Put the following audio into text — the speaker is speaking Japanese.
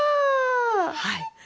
はい。